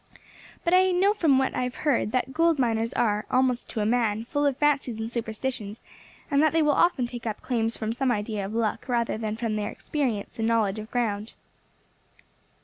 But I know from what I have heard that gold miners are, almost to a man, full of fancies and superstitions, and that they will often take up claims from some idea of luck rather than from their experience and knowledge of ground."